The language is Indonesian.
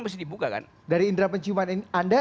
mesti dibuka kan dari indera penciuman ini anda